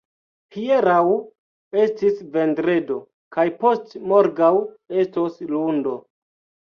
Hieraŭ estis vendredo, kaj post-morgaŭ estos lundo.